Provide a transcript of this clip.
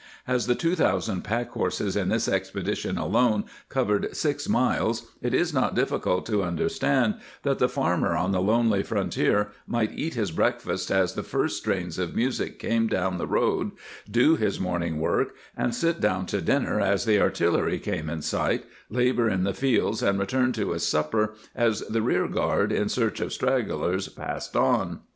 As the 2,ooo pack horses in this expedition alone covered six miles,' it is not difficult to understand that the farmer on the lonely frontier might eat his break fast as the first strains of music came down the road, do his morning work and sit down to dinner as the artillery came in sight, labor in the fields and return to his supper as the rear guard, in search of stragglers, passed on.